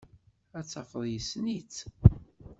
Ad tafeḍ yessen-itt.